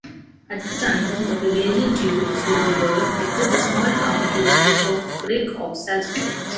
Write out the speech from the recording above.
At the time, the Bavarian duke Theudebert gifted the small town to the Bishopric of Salzburg.